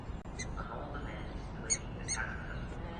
An older man is playing a saxophone